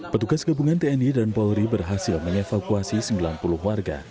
petugas gabungan tni dan polri berhasil mengevakuasi sembilan puluh warga